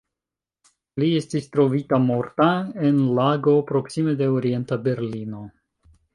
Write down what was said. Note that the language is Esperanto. Li estis trovita morta en lago proksime de Orienta Berlino.